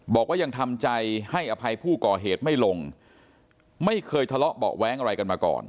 บอกว่ายังทำใจให้อภัยผู้ก่อเหตุไม่ลงไม่เคยทะเลาะเบาะแว้งอะไรกันมาก่อน